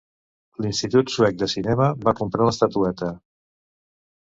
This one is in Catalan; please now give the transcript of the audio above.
L'Institut Suec de Cinema va comprar l'estatueta.